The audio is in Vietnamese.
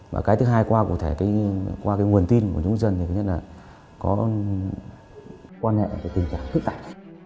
và cái thứ hai qua nguồn tin của những dân là có quan hệ tình cảm phức tạp